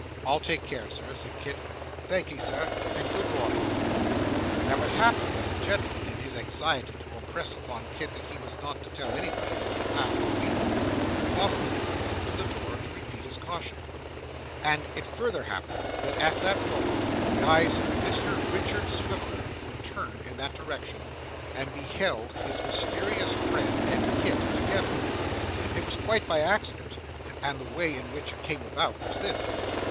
'I'll take care, sir,' said Kit. 'Thankee, sir, and good morning.' Now, it happened that the gentleman, in his anxiety to impress upon Kit that he was not to tell anybody what had passed between them, followed him out to the door to repeat his caution, and it further happened that at that moment the eyes of Mr Richard Swiveller were turned in that direction, and beheld his mysterious friend and Kit together. It was quite an accident, and the way in which it came about was this.